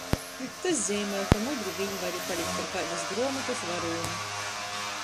Tys zeimoj, ka mudri viņ vari palikt par kaidys gruomotys varūni.